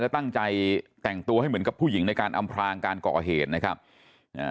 และตั้งใจแต่งตัวให้เหมือนกับผู้หญิงในการอำพลางการก่อเหตุนะครับอ่า